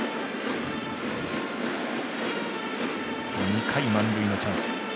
２回、満塁のチャンス。